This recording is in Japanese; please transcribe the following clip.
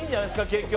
結局。